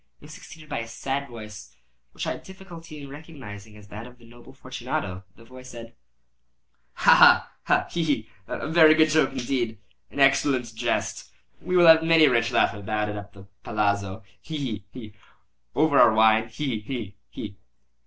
It was succeeded by a sad voice, which I had difficulty in recognising as that of the noble Fortunato. The voice said— "Ha! ha! ha!—he! he!—a very good joke indeed—an excellent jest. We will have many a rich laugh about it at the palazzo—he! he! he!—over our wine—he! he! he!"